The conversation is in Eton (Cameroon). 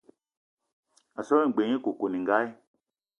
A so gne g-beu nye koukouningali.